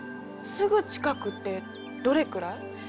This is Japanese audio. すぐ近くってどれくらい？